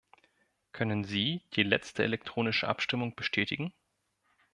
Können Sie die letzte elektronische Abstimmung bestätigen?